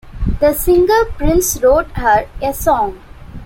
The singer Prince wrote her a song.